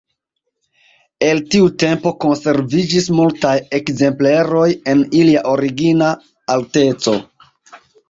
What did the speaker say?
El tiu tempo konserviĝis multaj ekzempleroj en ilia origina alteco.